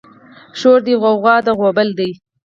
شور دی غوغه ده غوبل دی